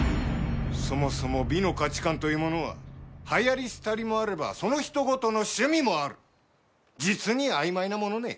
そもそも美の価値観というものは流行り廃りもあればその人ごとの趣味もある実に曖昧なものね。